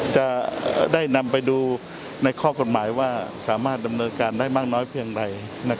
จะได้นำไปดูในข้อกฎหมายว่าสามารถดำเนินการได้มากน้อยเพียงใด